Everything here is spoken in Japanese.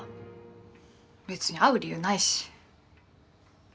別に会う理由ないし。